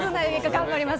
頑張ります。